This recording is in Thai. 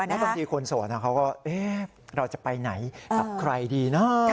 แล้วบางทีคนโสดเขาก็เราจะไปไหนกับใครดีเนอะ